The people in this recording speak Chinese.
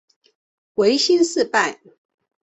维新事败。